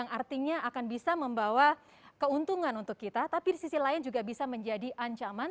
yang artinya akan bisa membawa keuntungan untuk kita tapi di sisi lain juga bisa menjadi ancaman